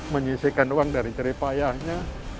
menyisikan uang dari ceripayahnya